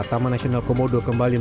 taman nasional komodo kembali